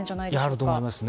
あると思います。